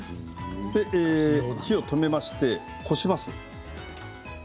火を止めてこします。